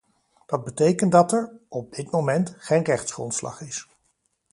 Dat betekent dat er, op dit moment, geen rechtsgrondslag is.